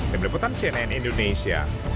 dibeliputan cnn indonesia